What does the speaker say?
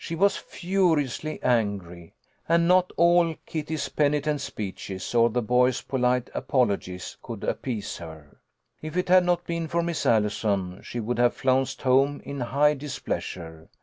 She was furiously angry, and not all Kitty's penitent speeches or the boys' polite apolo gies could appease her. If it had not been for Miss Allison she would have flounced home in high dis pleasure.